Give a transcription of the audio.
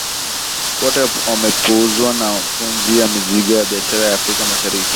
Wote wamepuuzwa na pumzi ya mizigo ya biashara ya Afrika Mashariki